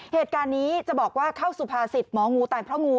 เหตุการณ์นี้จะบอกว่าเข้าสุภาษิตหมองูตายเพราะงู